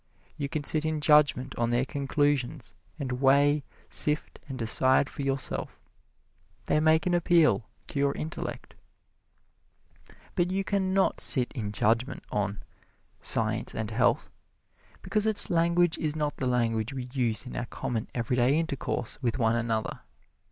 You can sit in judgment on their conclusions and weigh, sift and decide for yourself. They make an appeal to your intellect. But you can not sit in judgment on "Science and Health," because its language is not the language we use in our common, every day intercourse with one another.